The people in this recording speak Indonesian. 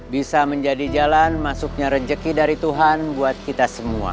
bisa menjadi jalan masuknya rezeki dari tuhan buat kita semua